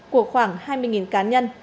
của khoảng hai mươi cá nhân